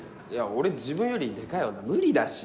俺自分よりでかい女無理だし